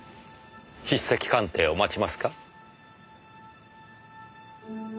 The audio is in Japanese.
筆跡鑑定を待ちますか？